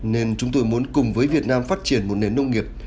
nên chúng tôi muốn cùng với việt nam phát triển một nền nông nghiệp